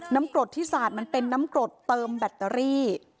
น้ำกรดที่สระอยู่เป็นน้ำกรดเติมแบตเตอรี่